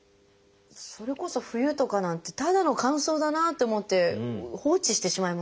それこそ冬とかなんてただの乾燥だなと思って放置してしまいますよね。